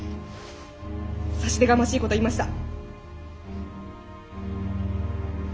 差し出がましいことを言いました。